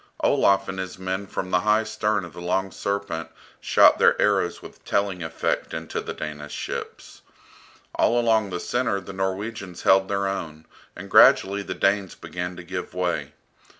Olaf and his men from the high stern of the "Long Serpent" shot their arrows with telling effect into the Danish ships. All along the centre the Norwegians held their own, and gradually the Danes began to give way.